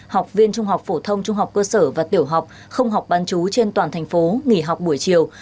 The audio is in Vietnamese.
học viên trung học phổ thông trung học cơ sở và tiểu học không học bán chú trên toàn thành phố nghỉ học buổi chiều